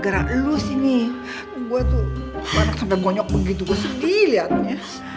karena lu sini gue tuh parah sampe konyok begitu gue sedih liatnya